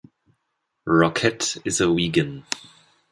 Rockett is a vegan.